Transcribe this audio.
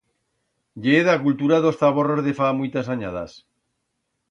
Ye d'a cultura d'os zaborros de fa muitas anyadas.